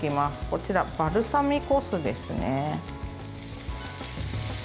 こちらバルサミコ酢ですね。